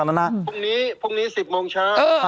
พรุ่งนี้พรุ่งนี้๑๐โมงเช้า